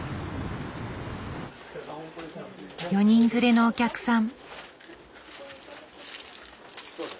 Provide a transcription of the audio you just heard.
４人連れのお客さん。